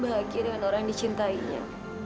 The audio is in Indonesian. bahagia dengan orang yang dicintainya